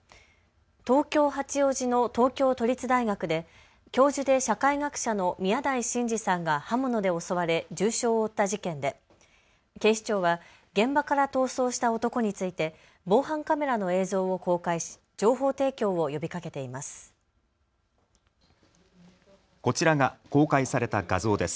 東京八王子の東京都立大学で教授で社会学者の宮台真司さんが刃物で襲われ重傷を負った事件で警視庁は現場から逃走した男について防犯カメラの映像を公開し情報提供を呼びかけています。